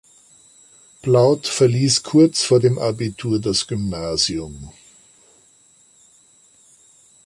Plaut verließ kurz vor dem Abitur das Gymnasium.